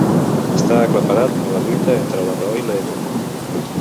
Està aclaparat per la lluita entre la raó i l'ego.